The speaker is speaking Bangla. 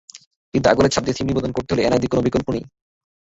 কিন্তু আঙুলের ছাপ দিয়ে সিম নিবন্ধন করতে হলে এনআইডির কোনো বিকল্প নেই।